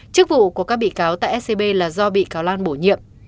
chức vụ của các bị cáo tại scb là do bị cáo lan